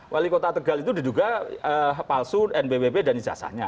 wali kota tegal itu juga palsu nbpp dan ijazahnya